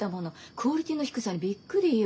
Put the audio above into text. クオリティーの低さにびっくりよ。